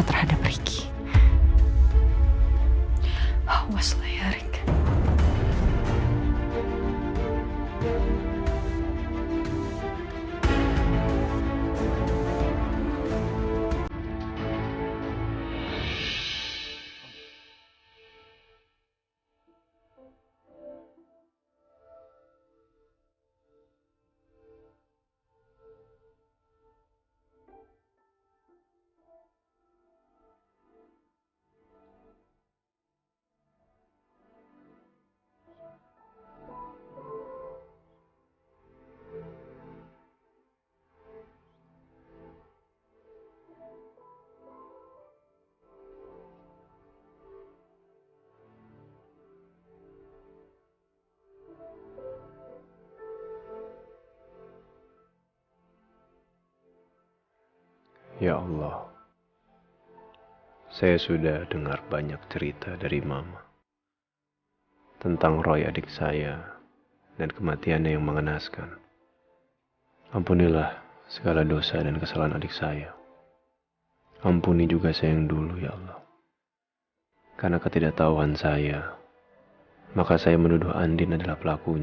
terutama terhadap ricky